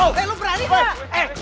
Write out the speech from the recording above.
eh lu berani nggak